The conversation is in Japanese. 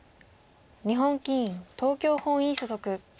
日本棋院東京本院所属。